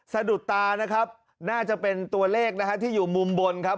สะดุดตานะครับน่าจะเป็นตัวเลขนะฮะที่อยู่มุมบนครับ